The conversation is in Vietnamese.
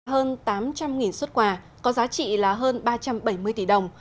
hơn tám trăm linh xuất quà có giá trị là hơn ba trăm bảy mươi tỷ đồng